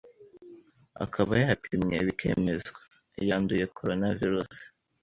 akaba yapimwe bikemezwa yanduye. Koronavirusi